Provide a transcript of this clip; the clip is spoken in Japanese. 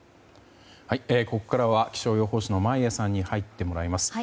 ここからは気象予報士の眞家さんに入ってもらいます。